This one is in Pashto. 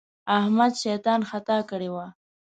احمد شيطان خطا کړی وو.